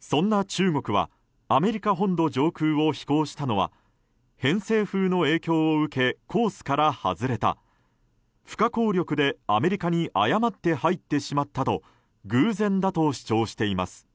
そんな中国はアメリカ本土上空を飛行したのは偏西風の影響で受けコースから外れた不可抗力でアメリカに誤って入ってしまったと偶然だと主張しています。